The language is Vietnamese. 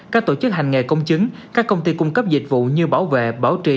các tổ chức hành nghề công chứng các công ty cung cấp dịch vụ như bảo vệ bảo trì